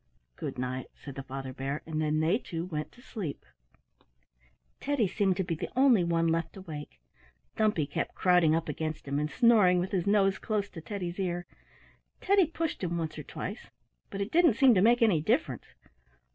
"Good night," said the Father Bear, and then they, too, went to sleep. Teddy seemed to be the only one left awake. Dumpy kept crowding up against him and snoring with his nose close to Teddy's ear. Teddy pushed him once or twice, but it didn't seem to make any difference.